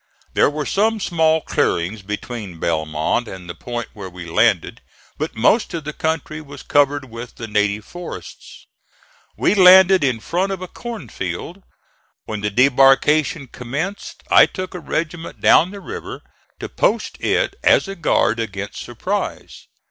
There were some small clearings between Belmont and the point where we landed, but most of the country was covered with the native forests. We landed in front of a cornfield. When the debarkation commenced, I took a regiment down the river to post it as a guard against surprise.